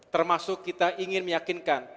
termasuk kita ingin meyakinkan